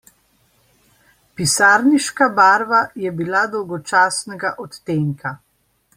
Pisarniška barva je bila dolgočasnega odtenka.